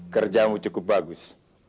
kerjamu cukup bagus